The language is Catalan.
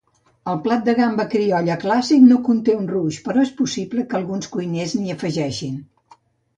El plat de gamba criolla clàssic no conté un roux, però és possible que alguns cuiners l'hi afegeixin.